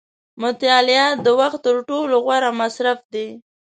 • مطالعه د وخت تر ټولو غوره مصرف دی.